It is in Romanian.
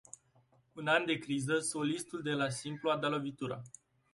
În an de criză, solistul de la Simplu a dat lovitura.